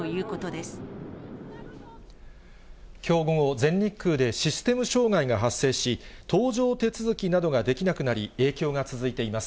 きょう午後、全日空でシステム障害が発生し、搭乗手続きなどができなくなり、影響が続いています。